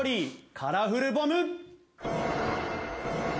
カラフルボム！